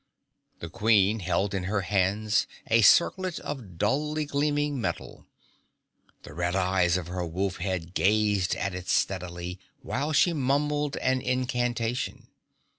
The Queen held in her hands a circlet of dully gleaming metal. The red eyes of her wolf head gazed at it steadily, while she muttered an incantation.